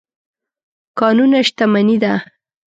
کانونه شتمني ده.